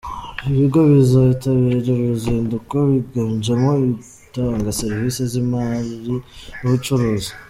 Ibigo bizaitabira uru ruzinduko byiganjemo ibitanga serivisi z’imari n’ubucuruzi.